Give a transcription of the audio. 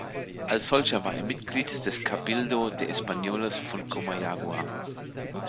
Als solcher war er Mitglied des "Cabildo de Españoles" von Comayagua.